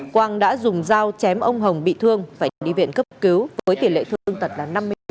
quang đã dùng dao chém ông hồng bị thương phải đi viện cấp cứu với tỷ lệ thương tật là năm mươi năm